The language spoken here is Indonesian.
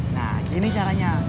nah gini caranya